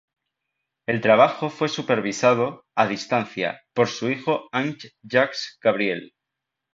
El trabajo fue supervisado, a distancia, por su hijo Ange-Jacques Gabriel.